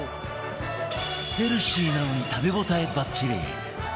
ヘルシーなのに食べ応えバッチリ